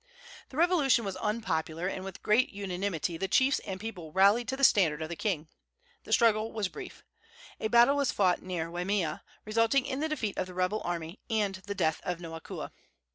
The revolution was unpopular, and with great unanimity the chiefs and people rallied to the standard of the king. The struggle was brief. A battle was fought near Waimea, resulting in the defeat of the rebel army and the death of Noakua.